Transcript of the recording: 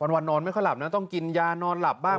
วันนอนไม่ค่อยหลับนะต้องกินยานอนหลับบ้าง